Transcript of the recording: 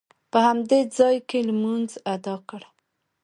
په همدې ځاې کې لمونځ ادا کړ.